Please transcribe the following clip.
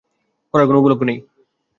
করার কোনো উপলক্ষ নেই।